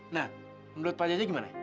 nah menurut pak jaji gimana